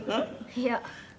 いや。